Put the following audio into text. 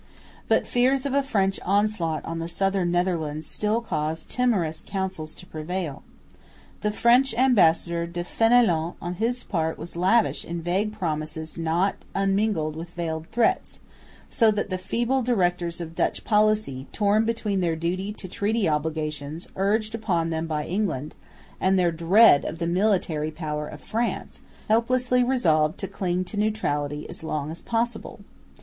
But fears of a French onslaught on the southern Netherlands still caused timorous counsels to prevail. The French ambassador, De Fénélon, on his part was lavish in vague promises not unmingled with veiled threats, so that the feeble directors of Dutch policy, torn between their duty to treaty obligations urged upon them by England, and their dread of the military power of France, helplessly resolved to cling to neutrality as long as possible.